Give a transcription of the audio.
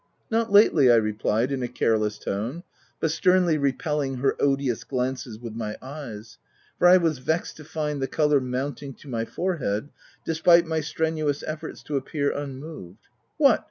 " Not lately ," I replied, in a careless tone, but sternly repelling her odious glances with my eyes ; for I was vexed to feel the colour mounting to my forehead, despite my strenuous efforts to appear unmoved. " What